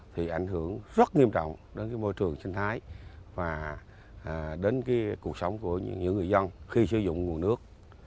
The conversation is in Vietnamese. thì ảnh hưởng rất nghiêm trọng đến môi trường sinh thái và đến cuộc sống của những người dân khi sử dụng nguồn nước